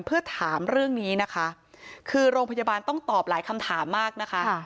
เพื่อถามเรื่องนี้นะคะคือโรงพยาบาลต้องตอบหลายคำถามมากนะคะ